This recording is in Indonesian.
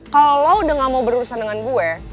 kalo lo udah gak mau berurusan dengan gue